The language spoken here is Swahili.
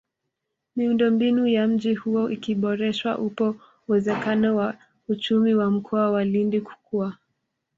Miundombinu ya mji huo ikiboreshwa upo uwezekano wa uchumi wa Mkoa wa Lindi kukua